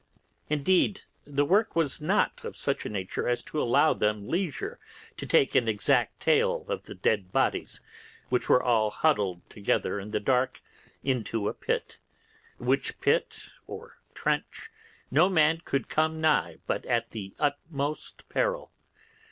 Indeed the work was not of a nature to allow them leisure to take an exact tale of the dead bodies, which were all huddled together in the dark into a pit; which pit or trench no man could come nigh but at the utmost peril.